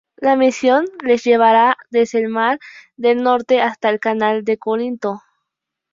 La misión les llevara desde el Mar del Norte hasta el canal de Corinto.